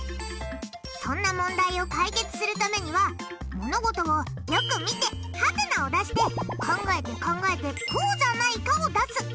そんな問題を解決するためには物事をよく見てハテナを出して考えて考えてこうじゃないかを出す。